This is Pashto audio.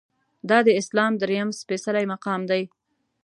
دا د اسلام درېیم سپیڅلی مقام دی.